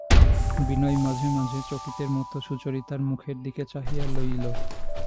বিনয় মাঝে মাঝে চকিতের মতো সুচরিতার মুখের দিকে চাহিয়া লইল।